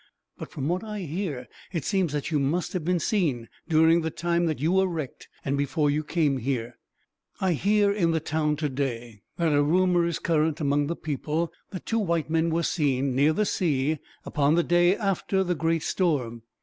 But from what I hear, it seems that you must have been seen, during the time that you were wrecked, and before you came here. I hear in the town today that a rumor is current, among the people, that two white men were seen, near the sea, upon the day after the great storm.